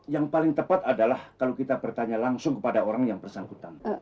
yang paling tepat adalah kalau kita bertanya langsung kepada orang yang bersangkutan